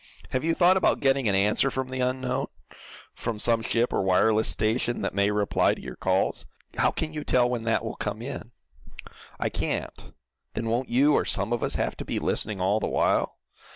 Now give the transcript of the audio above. Have you thought about getting an answer from the unknown from some ship or wireless station, that may reply to your calls? How can you tell when that will come in?" "I can't." "Then won't you or some of us, have to be listening all the while?"